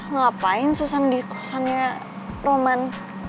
ngapain susan di kosannya roman